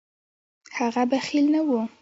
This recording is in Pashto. هغه بخیل نه و.